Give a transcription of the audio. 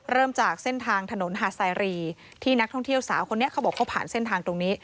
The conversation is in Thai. เริ่มจากเส้นทางถนนฮาซาอีรีที่นักท่องเที่ยวสาวต้องผ่านเส้นทางตรงนี้